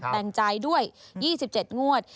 แบ่งจ่ายด้วย๒๗งวด